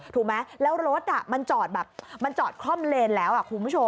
ถูกไหมแล้วรถมันจอดแบบมันจอดคล่อมเลนแล้วคุณผู้ชม